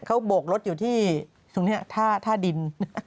เขาโบกรถอยู่ที่ตรงนี้ท่าดิน